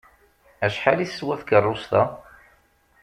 Acḥal i teswa tkeṛṛust-a?